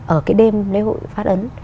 ở cái đêm lễ hội phát ấn